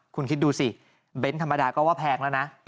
คุณคิดดูสิเบนท์ธรรมดาก็ว่าแพงแล้วนะ